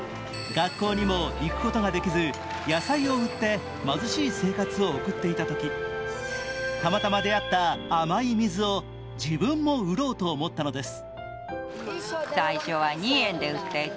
学校にも行くことができず、野菜を売って貧しい生活を送っていたときたまたま出会った甘い水を自分も売ろうと思ったのです。